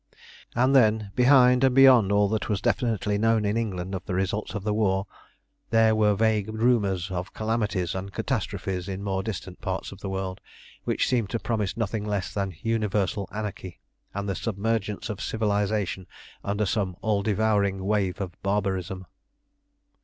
And then, behind and beyond all that was definitely known in England of the results of the war, there were vague rumours of calamities and catastrophes in more distant parts of the world, which seemed to promise nothing less than universal anarchy, and the submergence of civilisation under some all devouring wave of barbarism.